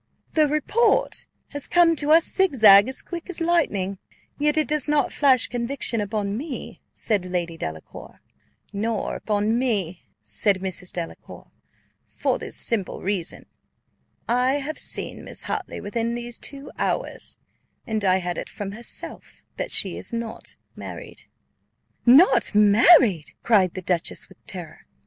"The report has come to us zigzag as quick as lightning, yet it does not flash conviction upon me," said Lady Delacour. "Nor upon me," said Mrs. Delacour, "for this simple reason. I have seen Miss Hartley within these two hours, and I had it from herself that she is not married." "Not married!" cried the dowager with terror.